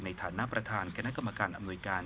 ในฐานหน้าประธานกับนักกรรมการอำนวยการ